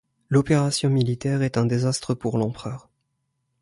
L'opération militaire est un désastre pour l'empereur.